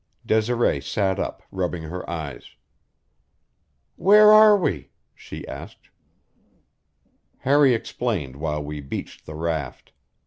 Desiree sat up, rubbing her eyes. "Where are we?" she asked. Harry explained while we beached the raft.